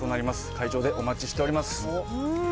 会場でお待ちしております。